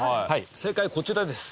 正解こちらです。